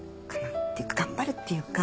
頑張るっていうか